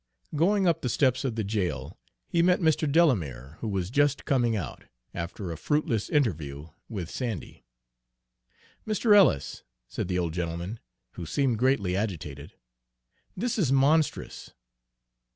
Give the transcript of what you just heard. Going up the steps of the jail, he met Mr. Delamere, who was just coming out, after a fruitless interview with Sandy. "Mr. Ellis," said the old gentleman, who seemed greatly agitated, "this is monstrous!"